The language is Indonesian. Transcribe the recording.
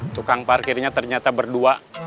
tukang parkirnya ternyata berdua